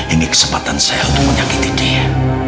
ini kesempatan saya untuk menyakiti dia